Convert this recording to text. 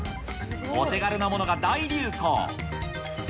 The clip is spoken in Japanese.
お手軽なものが大流行。